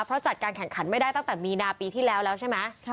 เพราะจัดการแข่งขันไม่ได้ตั้งแต่มีนาปีที่แล้วแล้วใช่ไหม